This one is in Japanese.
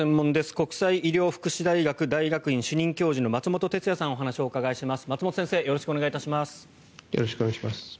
国際医療福祉大学大学院主任教授の松本哲哉さんにお話をお伺いします。